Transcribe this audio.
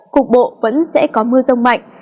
cục bộ vẫn sẽ có mưa rông mạnh